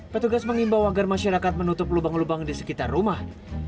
petugas mengimbau agar masyarakat menutup lubang lubang di sekitar rumah